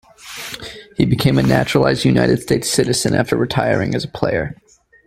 He became a naturalized United States citizen after retiring as a player.